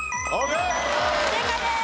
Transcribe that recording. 正解です。